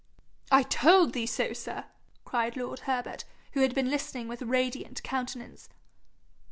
'I told thee so, sir!' cried lord Herbert, who had been listening with radiant countenance.